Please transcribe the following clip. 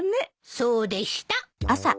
そうでした。